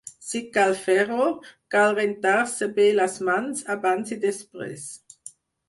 Si cal fer-ho, cal rentar-se bé les mans abans i després.